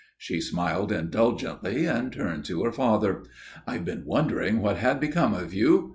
She smiled indulgently and turned to her father. "I've been wondering what had become of you.